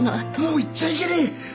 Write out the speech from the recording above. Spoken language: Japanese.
もう言っちゃいけねえ！